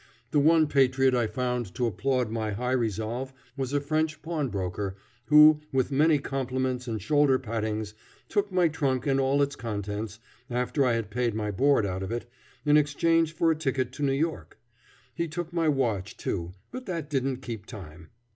The one patriot I found to applaud my high resolve was a French pawnbroker, who, with many compliments and shoulder pattings, took my trunk and all its contents, after I had paid my board out of it, in exchange for a ticket to New York. He took my watch, too, but that didn't keep time.